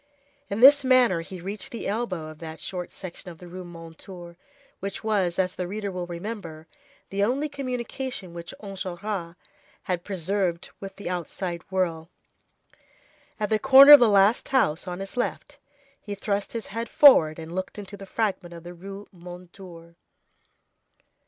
In this manner he reached the elbow of that short section of the Rue Mondétour which was, as the reader will remember, the only communication which Enjolras had preserved with the outside world. At the corner of the last house, on his left, he thrust his head forward, and looked into the fragment of the Rue Mondétour.